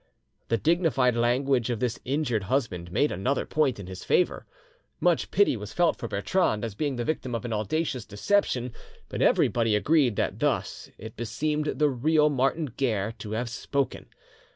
The dignified language of this injured husband made another point in his favour. Much pity was felt for Bertrande, as being the victim of an audacious deception; but everybody agreed that thus it beseemed the real Martin Guerre to have spoken.